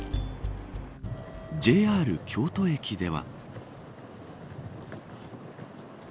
ＪＲ京都駅では。